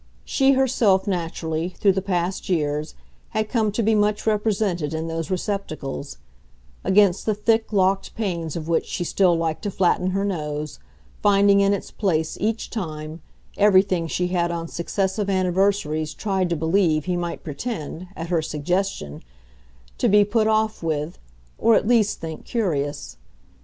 She herself, naturally, through the past years, had come to be much represented in those receptacles; against the thick, locked panes of which she still liked to flatten her nose, finding in its place, each time, everything she had on successive anniversaries tried to believe he might pretend, at her suggestion, to be put off with, or at least think curious.